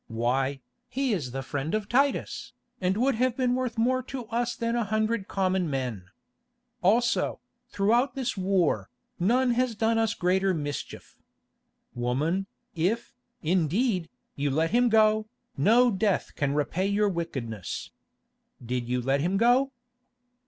"Why, he is the friend of Titus, and would have been worth more to us than a hundred common men. Also, throughout this war, none has done us greater mischief. Woman, if, indeed, you let him go, no death can repay your wickedness. Did you let him go?"